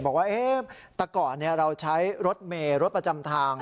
บอกว่าแต่ก่อนเราใช้รถเมย์รถประจำทาง